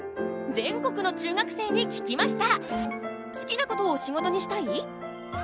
全国の中学生に聞きました！